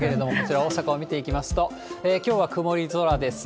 大阪を見ていきますと、きょうは曇り空です。